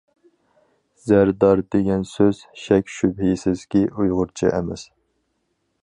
زەردار دېگەن سۆز شەك شۈبھىسىزكى ساپ ئۇيغۇرچە ئەمەس.